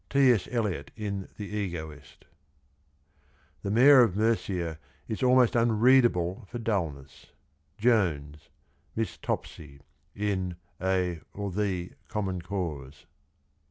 — T. S. Eliot in The Egoist. ' The Mayor of Murcia ' is almost unreadable for dullness. — Jones (Miss Topsy) in A (or The) Common Cause.